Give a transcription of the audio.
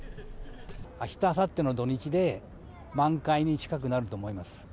あしたあさっての土日で、満開に近くなると思います。